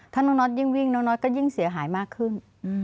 ถ้าน้องน็อตยิ่งวิ่งน้องน็อตก็ยิ่งเสียหายมากขึ้น